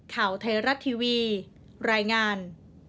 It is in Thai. ข่าวไทยรัฐทีวีรายงาน